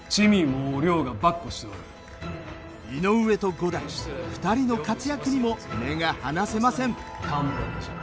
井上と五代２人の活躍にも目が離せません。